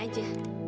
gue balik ya